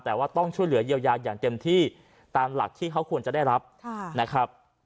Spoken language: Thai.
แต่ว่าต้องช่วยเหลือเยียวยาอย่างเต็มที่ตามหลักที่เขาควรจะได้รับนะครับ